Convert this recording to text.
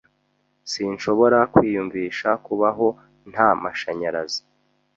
Sinshobora kwiyumvisha kubaho nta mashanyarazi.